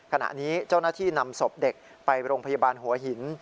ขณะนี้เจ้าหน้าที่นำศพเด็กไปโรงพยาบาลหัวหิน